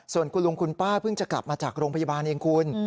ส่วนคุณลุงคุณป้าเพิ่งจะกลับมาจากโรงพยาบาลเองคุณ